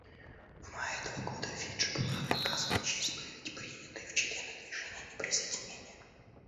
В мае этого года Фиджи была оказана честь быть принятой в члены Движения неприсоединения.